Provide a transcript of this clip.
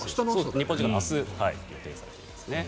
日本時間の明日予定されていますね。